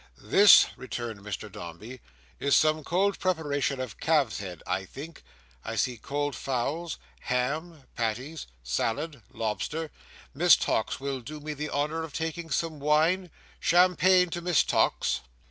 "This," returned Mr Dombey, "is some cold preparation of calf's head, I think. I see cold fowls—ham—patties—salad—lobster. Miss Tox will do me the honour of taking some wine? Champagne to Miss Tox."